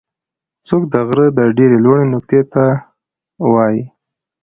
څوکه د غره د ډېرې لوړې نقطې ته وایي.